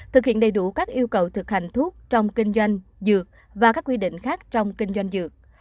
thực hiện đầy đủ các yêu cầu thực hành thuốc trong kinh doanh dược và các quy định khác trong kinh doanh dược